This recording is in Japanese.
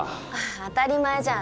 当たり前じゃん。